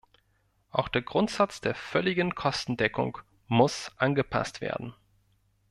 Auch der Grundsatz der völligen Kostendeckung muss angepasst werden.